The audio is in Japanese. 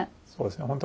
そうですね